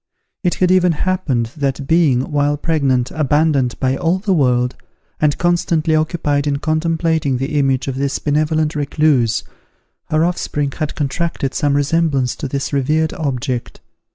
It had even happened, that being, while pregnant, abandoned by all the world, and constantly occupied in contemplating the image of this benevolent recluse, her offspring had contracted some resemblance to this revered object.